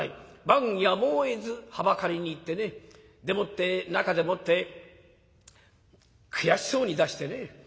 万やむをえずはばかりに行ってねでもって中でもって悔しそうに出してね。